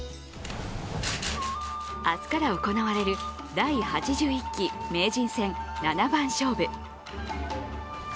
明日から行われる第８１期名人戦七番勝負。